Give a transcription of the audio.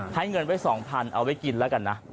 ให้เงินไว้๒๐๐๐เอาไว้กินแล้วกันนะ